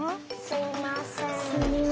すみません。